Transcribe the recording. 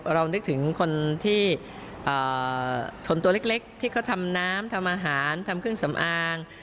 เรานึกถึงคนที่ชนตัวเล็กที่เขาทำน้ำทำอาหารทำเครื่องสำอาง